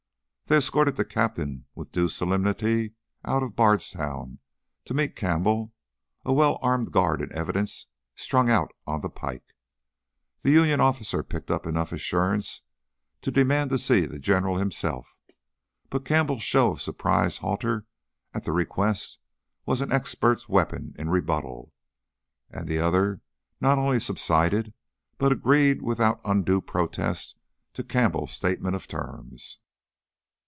They escorted the captain with due solemnity out of Bardstown to meet Campbell, a well armed guard in evidence strung out on the pike. The Union officer picked up enough assurance to demand to see the General himself, but Campbell's show of surprised hauteur at the request was an expert's weapon in rebuttal; and the other not only subsided but agreed without undue protest to Campbell's statement of terms.